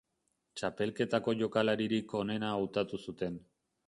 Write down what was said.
Txapelketako jokalaririk onena hautatu zuten.